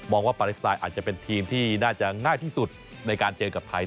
ว่าปาเลสไตล์อาจจะเป็นทีมที่น่าจะง่ายที่สุดในการเจอกับไทย